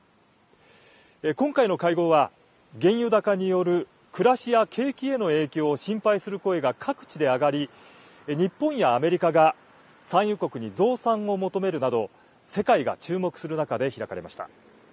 今回の会合は、原油高による暮らしや景気への影響を心配する声が各地で上がり、日本やアメリカが産油国に増産を求めるなど、世界が注目する中で開かれました。